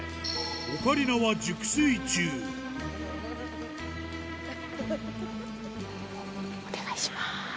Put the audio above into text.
オカリナはお願いします。